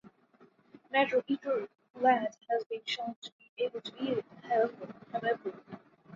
Matter Eater Lad has been shown to be able to eat it, however.